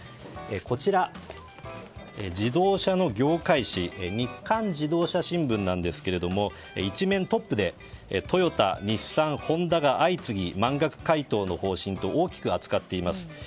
こちら、自動車の業界紙日刊自動車新聞なんですけれども１面トップでトヨタ、日産、ホンダが相次ぎ満額回答の方針と大きく扱っています。